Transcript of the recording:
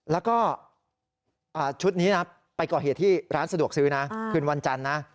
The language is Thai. และชุดนี้ไปก่อเหตุที่ร้านสะดวกซื้อคืนวันจันทร์